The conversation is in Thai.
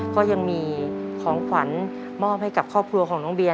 ก็ยังมีของขวัญมอบให้กับครอบครัวของน้องเบียร์